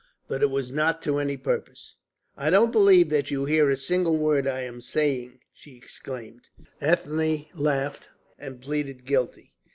But it was not to any purpose. "I don't believe that you hear a single word I am saying!" she exclaimed. Ethne laughed and pleaded guilty.